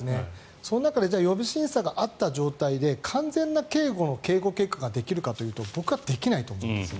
その中で予備審査があった状態で完全な警護の警護計画ができるかというと僕はできないと思います。